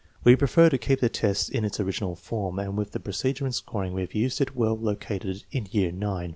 We prefer to keep the test in its original form, and with the procedure and scoring we have used it is well located in year IX.